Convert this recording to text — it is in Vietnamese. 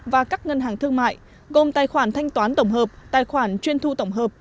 và các ngân hàng thương mại gồm tài khoản thanh toán tổng hợp tài khoản chuyên thu tổng hợp